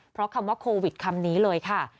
เพราะคำว่าโควิดคำนี้เลยค่ะ